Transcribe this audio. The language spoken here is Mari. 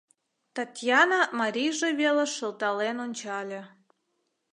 — Татьяна марийже велыш шылтален ончале.